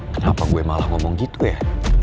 kenapa gue malah ngomong gitu ya